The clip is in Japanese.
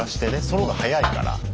その方が早いから。